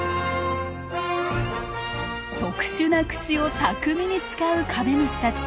特殊な口を巧みに使うカメムシたち。